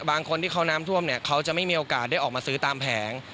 บางคนที่เขาน้ำท่วมเนี่ยเขาจะไม่มีโอกาสได้ออกมาซื้อตามแผง